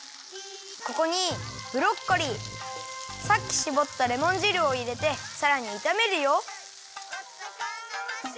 ここにブロッコリーさっきしぼったレモンじるをいれてさらにいためるよ。